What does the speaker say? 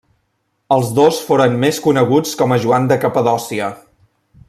El dos foren més coneguts com a Joan de Capadòcia.